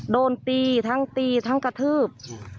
โดนตีทั้งตีทั้งกระทืบ